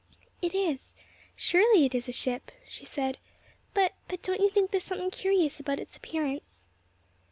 "It is, surely it is a ship," she said, "but but don't you think there is something curious about its appearance?"